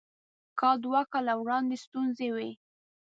کال دوه کاله وړاندې ستونزې وې.